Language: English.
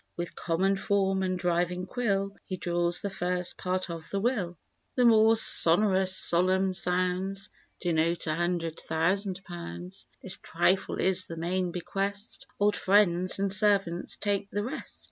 With common form and driving quill He draws the first part of the will, The more sonorous solemn sounds Denote a hundred thousand pounds, This trifle is the main bequest, Old friends and servants take the rest.